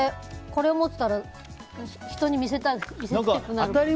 これを持ってたら人に見せたくなる。